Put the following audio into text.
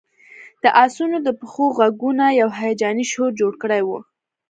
د آسونو د پښو غږونو یو هیجاني شور جوړ کړی و